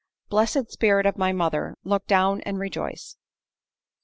Blessed spirit of my mother, look down and rejoice."